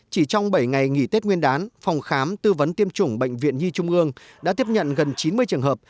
chỉ trong bảy ngày nghỉ tết nguyên đán phòng khám tư vấn tiêm chủng bệnh viện nhi trung ương đã tiếp nhận gần chín mươi trường hợp